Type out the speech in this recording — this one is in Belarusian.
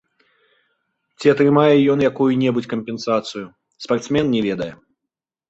Ці атрымае ён якую-небудзь кампенсацыю, спартсмен не ведае.